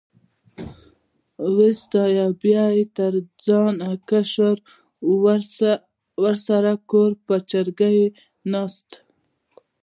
وې ستایه، بیا یې تر ځانه کشر ورسره د کور په چرګۍ ناست.